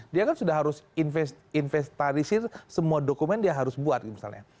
dia kan sudah harus inventarisir semua dokumen dia harus buat misalnya